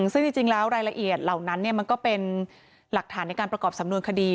ซึ่งจริงแล้วรายละเอียดเหล่านั้นมันก็เป็นหลักฐานในการประกอบสำนวนคดี